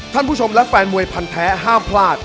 ท่านผู้ชมและแฟนมวยพันแท้ห้ามพลาด